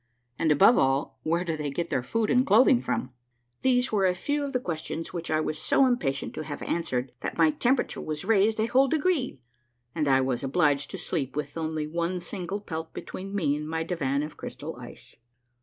And, above all, where do they get their food and clothing from ? These were a few of the questions which I was so impatient to have answered that my tempera ture was raised a whole degree, and I was obliged to sleep with only one single pelt between me and my divan of crystal ice.